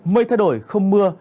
mây thay đổi không mưa